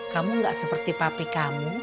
kamu gak seperti papi kamu